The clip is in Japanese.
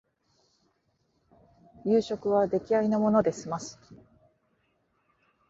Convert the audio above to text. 夕食は出来合いのもので済ます